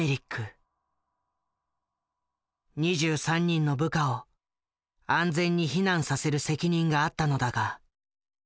２３人の部下を安全に避難させる責任があったのだが。